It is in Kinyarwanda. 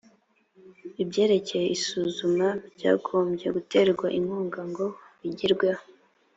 ibyerekeye isuzuma byagombye guterwa inkunga ngo bigerweho